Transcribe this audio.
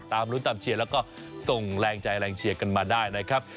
รุ้นตามเชียร์แล้วก็ส่งแรงใจแรงเชียร์กันมาได้นะครับ